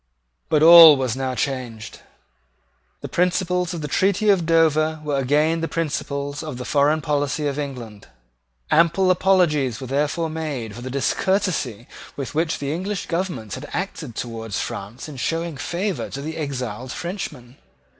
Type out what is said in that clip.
But all was now changed. The principles of the treaty of Dover were again the principles of the foreign policy of England. Ample apologies were therefore made for the discourtesy with which the English government had acted towards France in showing favour to exiled Frenchmen.